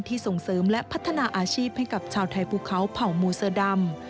ส่งเสริมและพัฒนาอาชีพให้กับชาวไทยภูเขาเผ่ามูเสือดำ